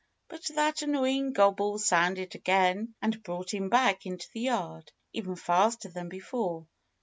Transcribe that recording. But that annoying gobble sounded again and brought him back into the yard even faster than before.